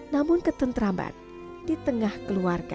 namun ketentraman di tengah keluarga